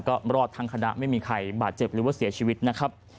ก็รอดทั้งคณะไม่มีใครบาดเจ็บหรือว่าเสียชีวิตนะครับ